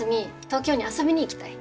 東京に遊びに行きたい。